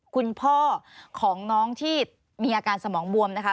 คุณพ่อของน้องที่มีอาการสมองบวมนะคะ